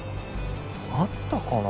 あったかな